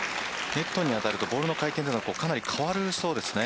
ネットに当たるとボールの回転はかなり変わるそうですね。